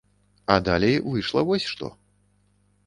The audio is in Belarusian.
І далей выйшла вось што.